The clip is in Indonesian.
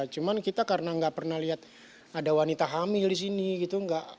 cuman kita karena nggak pernah lihat ada wanita hamil disini gitu